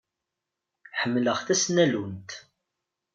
Ḥemmleɣ tasnallunt.